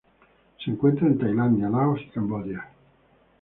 Se encuentra en Tailandia, Laos y Camboya.